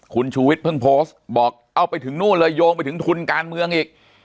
คุณชูวิทยเพิ่งโพสต์บอกเอาไปถึงนู่นเลยโยงไปถึงทุนการเมืองอีก